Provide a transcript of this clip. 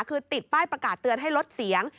คือติดป้ายประกาศเตือนให้ลดเสียง